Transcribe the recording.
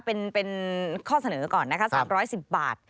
เป็นข้อเสนอก่อนนะคะ๓๑๐บาท